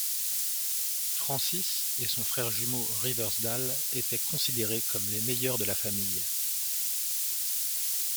Francis et son frère jumeau Riversdale étaient considérés comme les meilleurs de la famille.